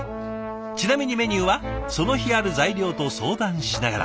ちなみにメニューはその日ある材料と相談しながら。